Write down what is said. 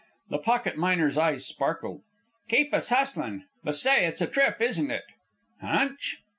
The pocket miner's eyes sparkled. "Keep us hustlin'; but, say, it's a trip, isn't it! Hunch?"